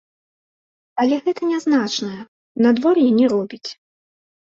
Але гэта нязначнае, надвор'я не робіць.